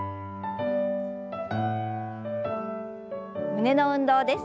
胸の運動です。